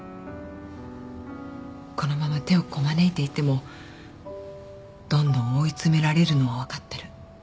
このまま手をこまねいていてもどんどん追い詰められるのは分かってる。